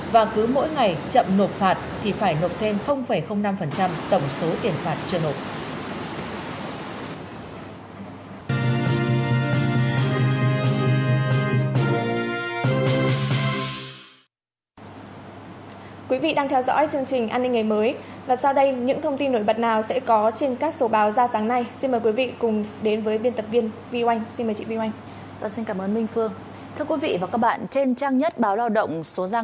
và cứ mỗi ngày chậm nộp phạt thì phải nộp thêm năm tổng số tiền phạt chưa nộp